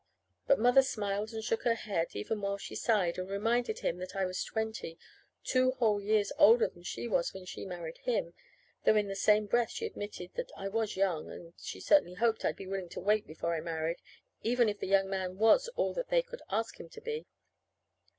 But Mother smiled and shook her head, even while she sighed, and reminded him that I was twenty two whole years older than she was when she married him; though in the same breath she admitted that I was young, and she certainly hoped I'd be willing to wait before I married, even if the young man was all that they could ask him to be.